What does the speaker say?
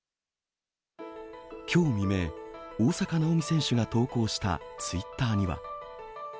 きょう未明、大坂なおみ選手が投稿したツイッターには。